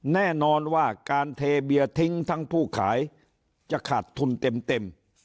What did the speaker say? แน่นอนว่าการเทเบียร์ทิ้งทั้งผู้ขายจะขาดทุนเต็ม